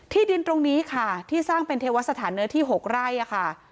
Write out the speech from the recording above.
ดินตรงนี้ค่ะที่สร้างเป็นเทวสถานเนื้อที่๖ไร่ค่ะ